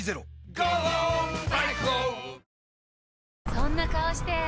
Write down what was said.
そんな顔して！